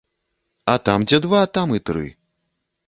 А там дзе два там і тры.